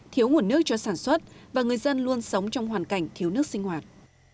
thiếu nguồn nước cho sản xuất và người dân luôn sống trong hoàn cảnh thiếu nước sinh hoạt